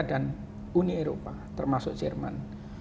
dan uni eropa termasuk jerman